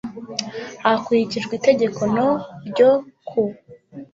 Hakurikijwe Itegeko no ryo ku